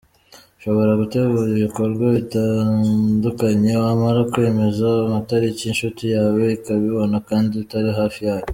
Ushobora gutegura ibikorwa bitandukanye, wamara kwemeza amatariki inshuti yawe ikabibona kandi utari hafi yayo.